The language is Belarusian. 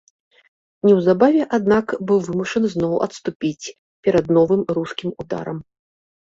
Неўзабаве, аднак, быў вымушаны зноў адступіць перад новым рускім ударам.